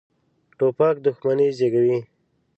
توپک دښمني زېږوي.